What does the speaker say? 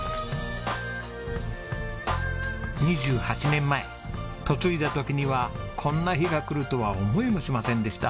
２８年前嫁いだ時にはこんな日が来るとは思いもしませんでした。